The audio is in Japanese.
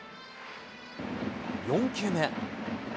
４球目。